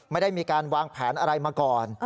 ไม่ได้มีการวางแผนอะไรมาก่อน